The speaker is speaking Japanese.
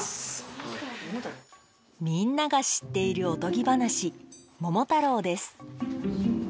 みんなが知っているおとぎ話「桃太郎」です